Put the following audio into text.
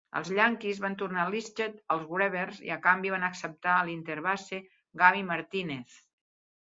Els Yankees van tornar Listach als Brewers i, a canvi, van acceptar l'interbase Gabby Martinez.